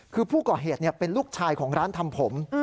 คือผู้ก่อเหตุเป็นลูกชายของร้านทำผม